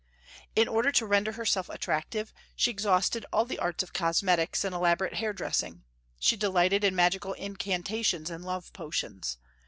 In order to render herself attractive, she exhausted all the arts of cosmetics and elaborate hair dressing; she delighted in magical incantations and love potions.